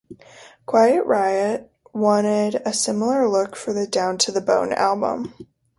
Quiet Riot wanted a similar look for the "Down to the Bone" album.